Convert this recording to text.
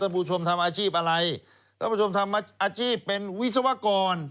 ผู้ชมทำอาชีพอะไรท่านผู้ชมทำอาชีพเป็นวิศวกร